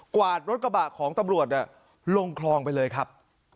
วาดรถกระบะของตำรวจลงคลองไปเลยครับ